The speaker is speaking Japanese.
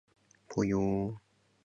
ぽよー